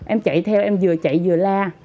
em chạy theo em vừa chạy vừa la